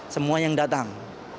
semua yang datang